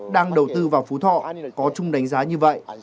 đang đầu tư vào phú thọ có chung đánh giá như vậy